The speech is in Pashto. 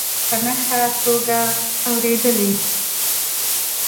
ما د هغوی خبرې په ښه توګه اورېدلې